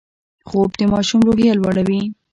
خوب د ماشوم روحیه لوړوي